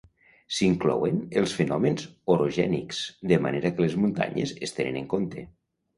S'inclouen els fenòmens orogènics, de manera que les muntanyes es tenen en compte.